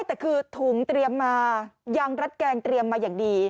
แต่คือถุงเตรียมมายังรัดแกงเตรียมมาอย่างดี